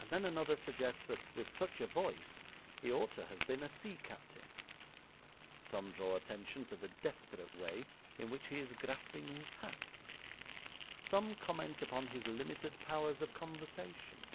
And then another suggests that with such a voice he ought to have been a sea captain. Some draw attention to the desperate way in which he is grasping his hat. Some comment upon his limited powers of conversation.